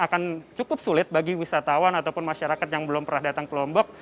akan cukup sulit bagi wisatawan ataupun masyarakat yang belum pernah datang ke lombok